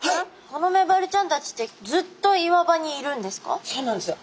このメバルちゃんたちってずっと岩場にいるんですか？